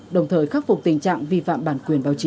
đồng thời khắc phục tình trạng vi phạm bản quyền báo chí